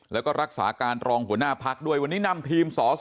แล้วก็รักษาการรองหัวหน้าพักด้วยวันนี้นำทีมสส